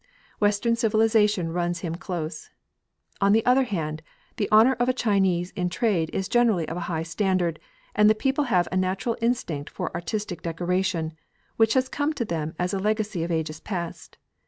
Western civilisation runs him close. On the other hand, the honour of a Chinese in trade is generally of a high standard, and the people have a natural instinct for artistic decoration, which has come to them as the legacy of ages past.